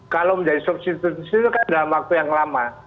kalau menjadi substitusi itu kan dalam waktu yang lama